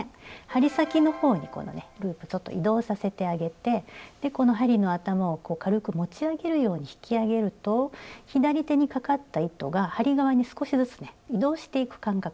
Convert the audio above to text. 針先の方にこのねループちょっと移動させてあげてこの針の頭を軽く持ち上げるように引き上げると左手にかかった糸が針側に少しずつね移動していく感覚。